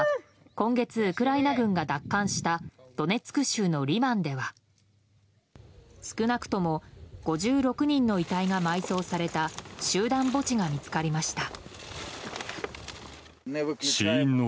今月、ウクライナ軍が奪還したドネツク州のリマンでは少なくとも５６人の遺体が埋葬された集団墓地が見つかりました。